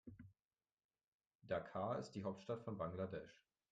Dhaka ist die Hauptstadt von Bangladesch.